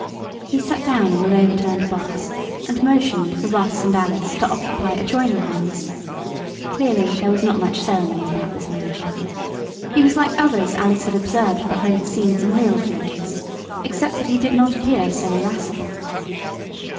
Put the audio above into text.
He sat down on an overturned box, and motioned for Russ and Alice to occupy adjoining ones. Clearly there was not much ceremony about this manager. He was like others Alice had observed behind the scenes in real theatres, except that he did not appear so irascible.